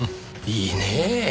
いいねぇ。